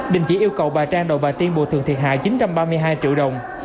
đình chỉ yêu cầu bà trang đầu bà tiên bồi thường thiệt hại chín trăm ba mươi hai triệu đồng